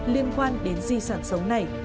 liên quan đến di sản sống này